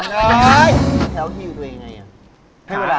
โอ๊ยแถวคิวตัวเองยังไงอะ